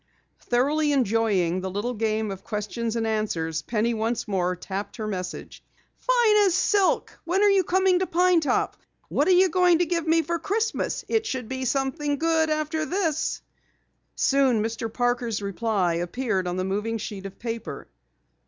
Thoroughly enjoying the little game of questions and answers, Penny once more tapped her message. "FINE AS SILK. WHEN ARE YOU COMING TO PINE TOP? WHAT ARE YOU GOING TO GIVE ME FOR XMAS? IT SHOULD BE SOMETHING GOOD AFTER THIS." Soon Mr. Parker's reply appeared on the moving sheet of paper.